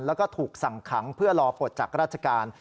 แล้วก็ถูกสั่งขังเพื่อรอปลดจากราชการ